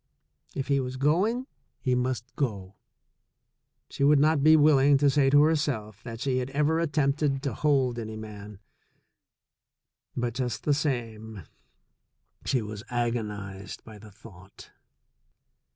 If he was going, he must go. She would not be willing to say to herself that she had ever attempted to hold any man. But, just the same, she was agon ized by the thought.